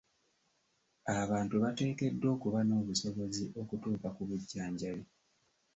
Abantu bateekeddwa okuba n'obusobozi okutuuka ku bujjanjabi.